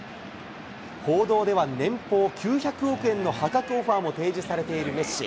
報道では年俸９００億円の破格オファーも提示されているメッシ。